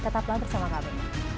tetaplah bersama kami